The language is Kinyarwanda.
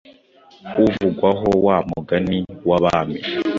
Uvugwaho wa mugani w'Abami